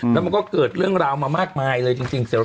แล้วมันก็เกิดเรื่องราวมามากมายเลยจริง